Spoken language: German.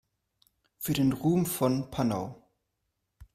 Für den Ruhm von Panau!